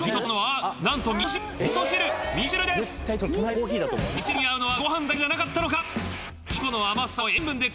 みそ汁に合うのはご飯だけじゃなかったのか！？